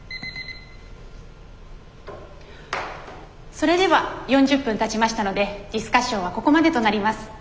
それでは４０分たちましたのでディスカッションはここまでとなります。